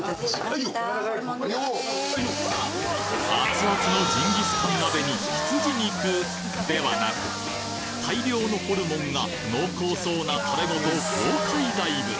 熱々のジンギスカン鍋に羊肉ではなく大量のホルモンが濃厚そうなタレごと豪快ダイブ！